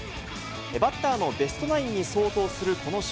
バッターのベストナインに相当するこの賞。